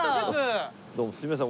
どうもすみません。